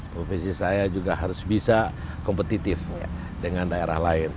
provinsi saya juga harus bisa kompetitif dengan daerah lain